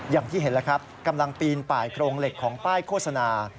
อย่างที่เห็นแล้วครับกำลังปีนป่ายโครงเหล็กของป้ายโฆษณา